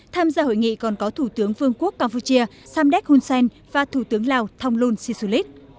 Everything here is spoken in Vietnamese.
tham gia hội nghị còn có thủ tướng vương quốc campuchia samdek hunsen và thủ tướng lào thonglun sisulit